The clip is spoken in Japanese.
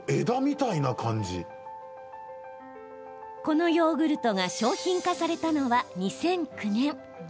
このヨーグルトが商品化されたのは２００９年。